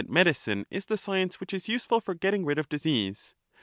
medicine is the science which is useful for getting rid of disease.